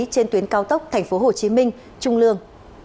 trên tuyến cao tốc tp hcm trung lương